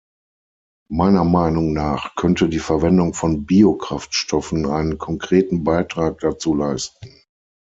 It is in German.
Meiner Meinung nach könnte die Verwendung von Biokraftstoffen einen konkreten Beitrag dazu leisten.